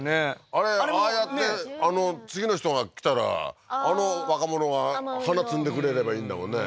あれああやって次の人が来たらあの若者が花摘んでくれればいいんだもんね